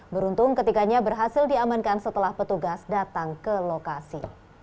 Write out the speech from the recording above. beruntung ketiganya berhasil diamankan setelah petugas datang ke lokasi